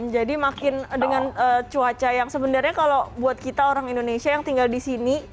jadi makin dengan cuaca yang sebenarnya kalau buat kita orang indonesia yang tinggal di sini